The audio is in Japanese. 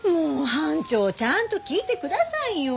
班長ちゃんと聞いてくださいよ！